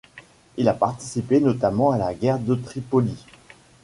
Il a participé notamment à la guerre de Tripoli.